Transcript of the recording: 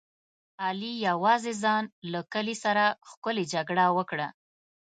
علي یوازې ځان له کلي سره ښکلې جګړه وکړه.